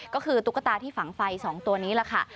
ก็คือตุ๊กตาที่ฝังไฟ๒ตัวนี้แหละค่ะ